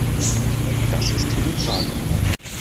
Das ist hier die Frage.